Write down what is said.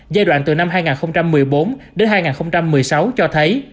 giai đoạn từ năm hai nghìn một mươi bốn đến hai nghìn một mươi sáu cho thấy